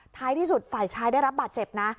ท้ายที่สุดฝ่ายชายได้รับบาดเจ็บนะ